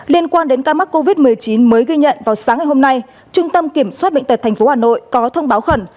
liên quan đến ca mắc covid một mươi chín mới ghi nhận vào sáng ngày hôm nay trung tâm kiểm soát bệnh tật tp hà nội có thông báo khẩn